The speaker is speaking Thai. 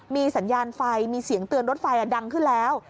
มีสัญญาณไฟมีเสียงเตือนรถไฟดังขึ้นแล้ว